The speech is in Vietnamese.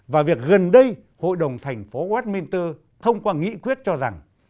và việc gần đây hội đồng thành phố westminster thông qua nghị quyết cho rằng